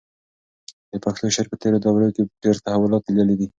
د پښتو شعر په تېرو دورو کې ډېر تحولات لیدلي دي.